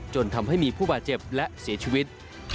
จนทำให้มีผู้บาดเจ็บและเสียชีวิต